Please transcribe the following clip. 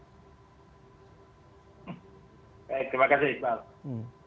baik terima kasih iqbal